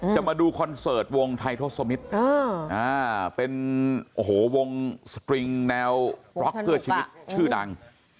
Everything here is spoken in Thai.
จะมาดูคอนเสิร์ตวงไททสมิสอ้าวเป็นโอ้โหวงสตริงแนวชื่อดัง